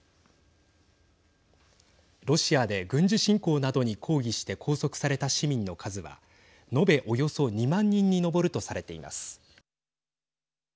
ロシアで軍事侵攻などに抗議して拘束された市民の数は、延べおよそ２万人に上るとされています。